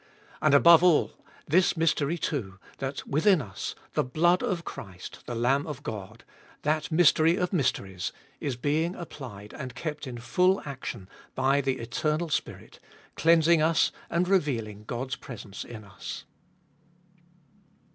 And above all, this mystery too, that within us, the blood of Christ, the Lamb of God — that mystery of mysteries — is being applied and kept in full action by the Eternal Spirit, cleansing us and revealing God's presence in us.